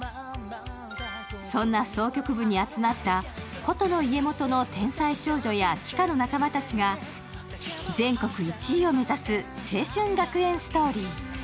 そんな箏曲部に集まった箏の家元の天才少女や愛の仲間たちが全国１位を目指す青春学園ストーリー。